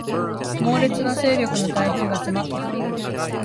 猛烈な勢力の台風が迫ってくる